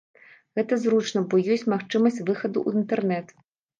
Гэта зручна, бо ёсць магчымасць выхаду ў інтэрнэт.